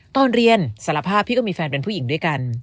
ตอนเรียนสารภาพพี่ก็มีแฟนเป็นผู้หญิงด้วยกัน